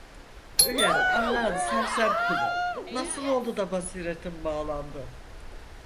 Ülen Allahın sersem kulu, nasıl oldu da basiretin bağlandı?